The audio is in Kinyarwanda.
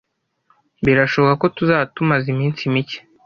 Birashoboka ko tuzaba tumaze iminsi mike.